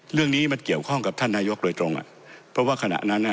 เรื่องนี้มันเกี่ยวข้องกับท่านนายกโดยตรงอ่ะเพราะว่าขณะนั้นอ่ะ